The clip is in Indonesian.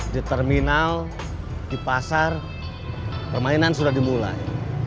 di terminal di pasar permainan sudah dimulai